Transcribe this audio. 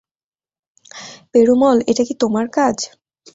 পেরুমল, এটা কী তোমার কাজ?